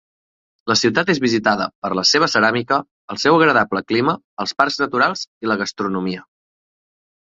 La ciutat és visitada per la seva ceràmica, el seu agradable clima, els parcs naturals i la gastronomia.